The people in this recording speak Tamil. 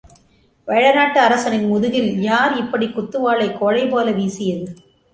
வேழநாட்டு அரசனின் முதுகில் யார் இப்படிக் குத்துவாளை கோழைபோல வீசியது?...